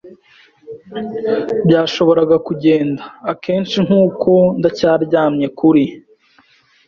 bwashoboraga kugenda. Akenshi, nkuko ndacyaryamye kuri